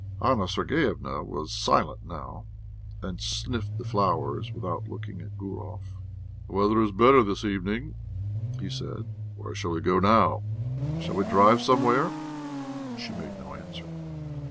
Anna Sergeyevna was silent now, and sniffed the flowers without looking at Gurov. "The weather is better this evening," he said. "Where shall we go now? Shall we drive somewhere?" She made no answer.